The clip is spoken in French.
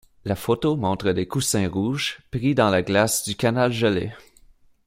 La photo montre des coussins rouges, pris dans la glace du canal gelé.